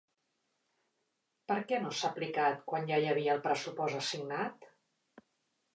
Perquè no s’ha aplicat quan ja hi havia el pressupost assignat?